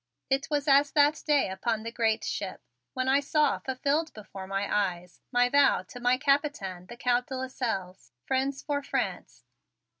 It was as that day upon the great ship when I saw fulfilled before my eyes my vow to my Capitaine, the Count de Lasselles: "Friends for France."